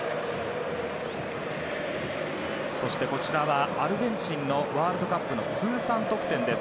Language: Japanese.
そして、アルゼンチンのワールドカップの通算得点です。